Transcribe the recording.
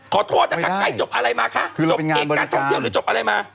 ขอโทษนะคะใกล้จบอะไรมาคะจบเองการท่องเที่ยวหรือจบอะไรมา